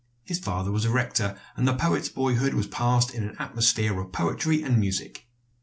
His father was a rector, and the poet's boyhood was passed in an atmosphere of poetry and music.